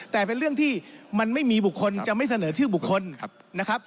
แต่เป็นเรื่องที่มันไม่มีบุคคลจะไม่เสนอชื่อบุคคลนะครับ